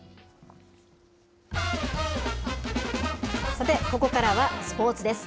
さて、ここからはスポーツです。